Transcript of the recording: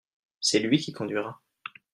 C'est lui qui conduira.